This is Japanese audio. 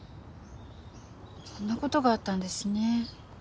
そんな事があったんですね。